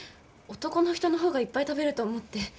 男の人の方がいっぱい食べると思って。